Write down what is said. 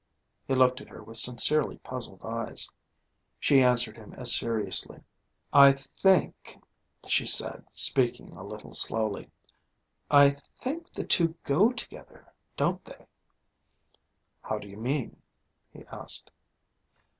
He looked at her with sincerely puzzled eyes. She answered him as seriously. "I think," she said, speaking a little slowly, "I think the two go together, don't they?" "How do you mean?" he asked.